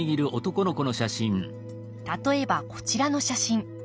例えばこちらの写真。